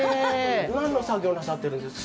何の作業をなさってるんですか。